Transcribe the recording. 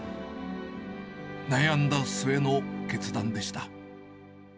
悩んだ末の決断でした。